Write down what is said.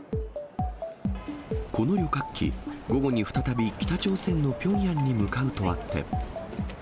この旅客機、午後に再び北朝鮮のピョンヤンに向かうとあって。